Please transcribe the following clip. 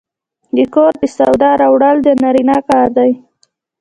د کور د سودا راوړل د نارینه کار دی.